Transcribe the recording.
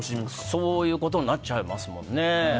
そういうことになっちゃいますね。